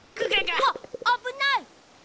わっあぶない！